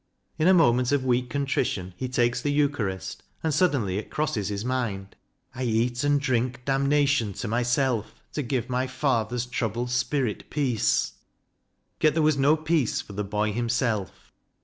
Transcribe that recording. In a moment of weak contrition he takes the eucharist, and suddenly it crosses his mind, I eat and drink damnation to myself To give my Father's troubled spirit peace. Yet there was no peace for the boy himself.